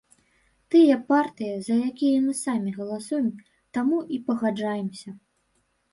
Тыя партыі, за якія мы самі галасуем, таму і пагаджаемся.